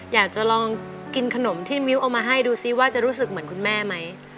อยากจะลองกินขนมที่มิ้วเอามาให้ดูซิว่าจะรู้สึกเหมือนคุณแม่ไหม